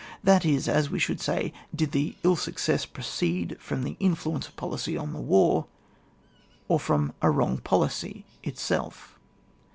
That is, as we should say : did the ilL success proceed from the influence of policy on the war, or from a wrong policy itself?